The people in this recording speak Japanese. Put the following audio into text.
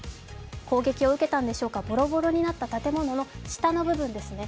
砲撃を受けたんでしょうか、ボロボロになった建物の下の部分ですね。